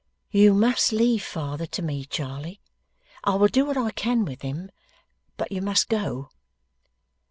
'You must leave father to me, Charley I will do what I can with him but you must go.